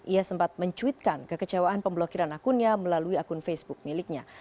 ia sempat mencuitkan kekecewaan pemblokiran akunnya melalui akun facebook miliknya